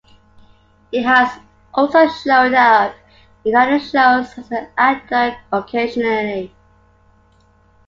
He has also showed up in other shows as an actor occasionally.